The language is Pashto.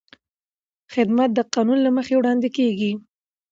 خدمت د قانون له مخې وړاندې کېږي.